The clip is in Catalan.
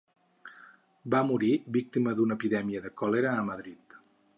Va morir víctima d'una epidèmia de còlera a Madrid.